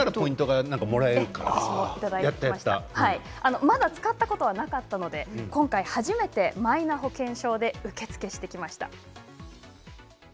私はまだ使ったことはなかったので今回初めてマイナ保険証で受け付けしてきました。